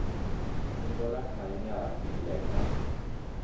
Fundó la Academia de Artes y Letras.